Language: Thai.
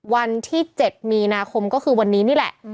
วันที่๗มีนาคมก็คือวันนี้นี่แหละ